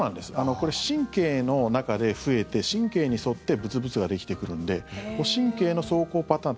これ、神経の中で増えて神経に沿ってブツブツができてくるんで神経の走行パターン